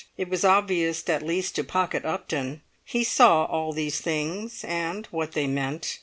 It was obvious at least to Pocket Upton. He saw all these things, and what they meant.